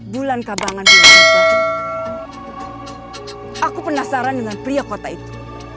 bulan kabangan dunia aku penasaran dengan pria kota itu